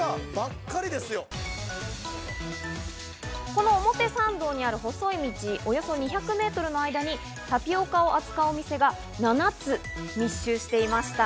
この表参道にある細い道をよそ２００メートルの間にタピオカを扱うお店が７つに密集していました。